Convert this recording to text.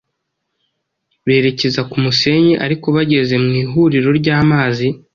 berekeza ku musenyi. Ariko bageze mu ihuriro ry’amazi,